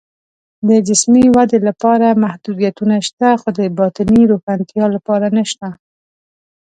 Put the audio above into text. د جسمي ودې لپاره محدودیتونه شته، خو د باطني روښنتیا لپاره نشته